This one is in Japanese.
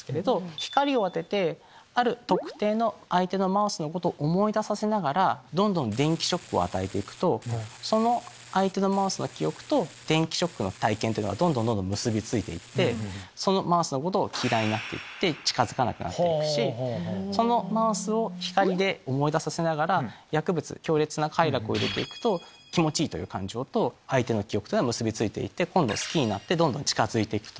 光を当ててある特定の相手のマウスのことを思い出させながらどんどん電気ショックを与えていくとその相手のマウスの記憶と電気ショックの体験がどんどん結び付いていってそのマウスのことを嫌いになっていって近づかなくなっていくしそのマウスを光で思い出させながら薬物強烈な快楽を入れておくと気持ちいいという感情と相手の記憶が結び付いて今度好きになって近づいていく。